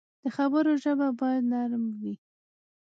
د خبرو ژبه باید نرم وي